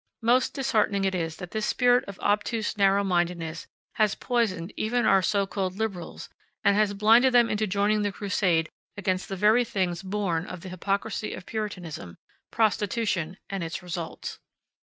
Most disheartening it is that this spirit of obtuse narrow mindedness has poisoned even our so called liberals, and has blinded them into joining the crusade against the very things born of the hypocrisy of Puritanism prostitution and its results.